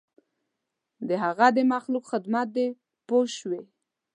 د هغه د مخلوق خدمت دی پوه شوې!.